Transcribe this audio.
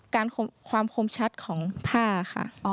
ความคมชัดของผ้าค่ะ